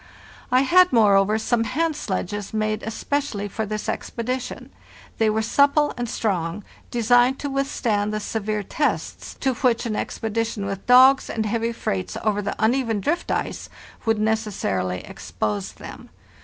I had, moreover, some hand sledges made especially for this expedition; they were supple and strong, de signed to withstand the severe tests to which an expedi tion with dogs and heavy freights over the uneven drift ice would necessarily expose them.